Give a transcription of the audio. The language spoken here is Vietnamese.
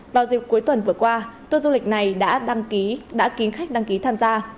vào dịp cuối tuần vừa qua tour du lịch này đã đăng ký đã kín khách đăng ký tham gia